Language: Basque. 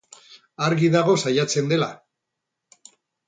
Argi dago saiatzen dela.